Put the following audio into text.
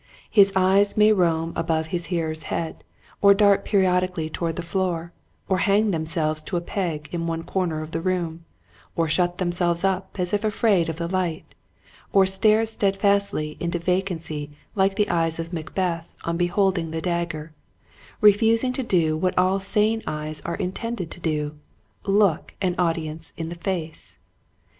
His eyes may roam above his hearers* heads or dart periodically toward the floor, or hang them selves to a peg in one corner of the room, or shut themselves up as if afraid of the light, or stare steadfastly into vacancy like the eyes of Macbeth on beholding the dag ger, refusing to do what all sane eyes are intended to do — look an audience in the face.